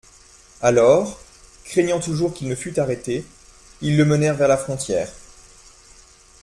Alors, craignant toujours qu'il ne fût arrêté, ils le menèrent vers la frontière.